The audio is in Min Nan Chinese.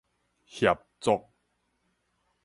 協作